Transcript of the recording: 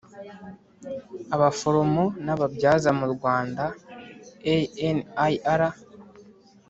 Abaforomo n ababyaza mu rwanda anir